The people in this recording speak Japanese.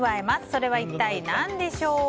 それは一体何でしょう？